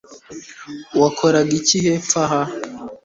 wakoraga iki hepfo aha